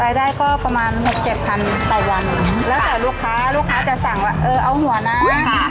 รายได้ก็ประมาณหกเจ็บพันแต่วันนี้แล้วแต่ลูกค้าลูกค้าจะสั่งเออเอาหัวหน้าค่ะ